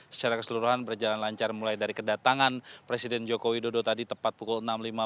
secara keseluruhan berjalan lancar mulai dari kedatangan presiden joko widodo tadi tepat pukul enam lima puluh